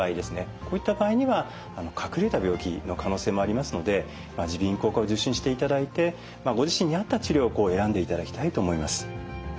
こういった場合には隠れた病気の可能性もありますので耳鼻咽喉科を受診していただいてご自身に合った治療を選んでいただきたいと思います。